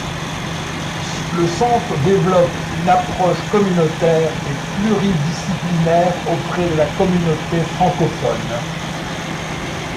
Le Centre développe une approche communautaire et pluridisciplinaire auprès de la communauté francophone.